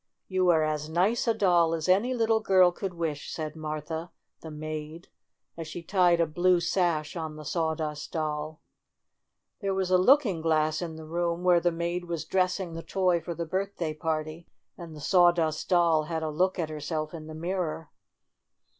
"You are as nice a doll as any little girl could wish," said Martha, the maid, as she tied a blue sash on the Sawdust Doll. There was a looking glass in the room where the maid was dressing the toy for the birthday party, and the Sawdust Doll had a look at herself in the mirror.